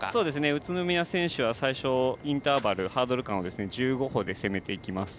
宇都宮選手は最初のインターバルハードル間１５歩で攻めてきます。